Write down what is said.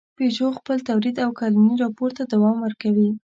پيژو خپل تولید او کلني راپور ته دوام ورکوي.